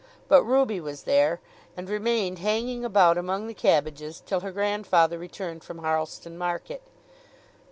But Ruby was there, and remained hanging about among the cabbages till her grandfather returned from Harlestone market.